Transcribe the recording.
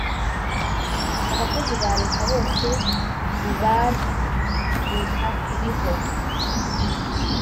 abakozi ba leta bose bubal eta iriho.